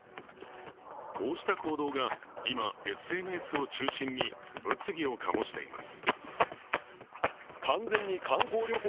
こうした行動が今、ＳＮＳを中心に物議を醸しています。